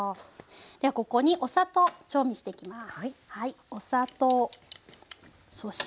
ではここにお砂糖調味していきます。